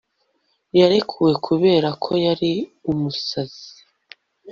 yarekuwe kubera ko yari umusazi